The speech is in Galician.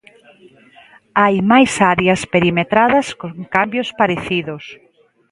Hai máis áreas perimetradas con cambios parecidos.